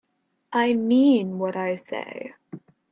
I mean what I say.